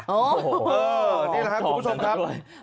เออี่พี่ผู้ชมครับ